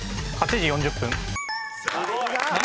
８時４０分。